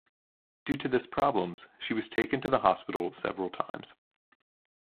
Due to this problems, she was taken to the hospital several times.